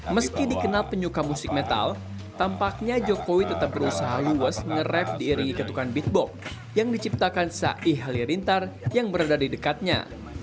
meski dikenal penyuka musik metal tampaknya jokowi tetap berusaha luwes nge rap diiringi ketukan beatbox yang diciptakan saih halilintar yang berada di dekatnya